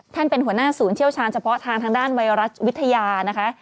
เป็นหัวหน้าศูนย์เชี่ยวชาญเฉพาะทางทางด้านไวรัสวิทยานะคะ